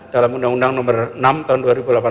dalam undang undang nomor enam tahun dua ribu delapan belas